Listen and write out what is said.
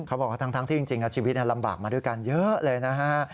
บอกว่าทั้งที่จริงชีวิตลำบากมาด้วยกันเยอะเลยนะฮะ